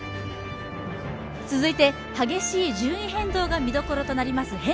続いて、激しい順位変動が見どころとなります